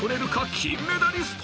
金メダリスト］